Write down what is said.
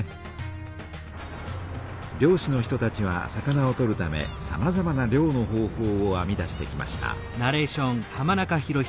漁師の人たちは魚を取るためさまざまな漁の方法をあみ出してきました。